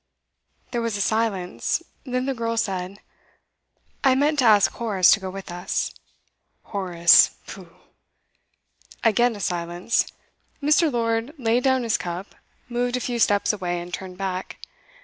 There was a silence, then the girl said: 'I meant to ask Horace to go with us.' 'Horace pooh!' Again a silence. Mr. Lord laid down his cup, moved a few steps away, and turned back.